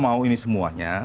mau ini semuanya